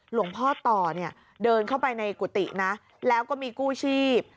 หลวงพ่อต่อเนี่ยเดินเข้าไปในกุฏินะแล้วก็มีกู้ชีพ